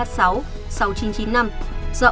dọng vào đường mai anh đảo